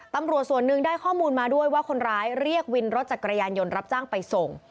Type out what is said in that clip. ตำรวจส่วนหนึ่งได้ข้อมูลมาด้วยว่าคนร้ายเรียกวินรถจักรยานยนต์รับจ้างไปส่ง